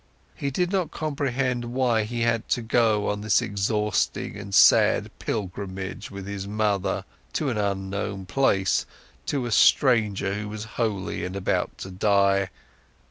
He did not comprehend why he had to go on this exhausting and sad pilgrimage with his mother, to an unknown place, to a stranger, who was holy and about to die.